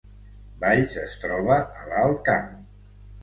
Valls es troba a l’Alt Camp